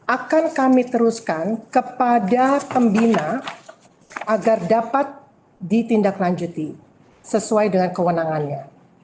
akan kami teruskan kepada pembina agar dapat ditindaklanjuti sesuai dengan kewenangannya